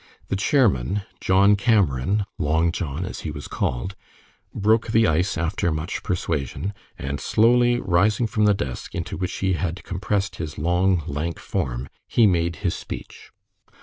The chairman, John Cameron, "Long John," as he was called, broke the ice after much persuasion, and slowly rising from the desk into which he had compressed his long, lank form, he made his speech.